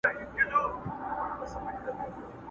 یو ډاکټر له لیری راغی د ده خواله!!